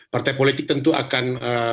partai politik tentu akan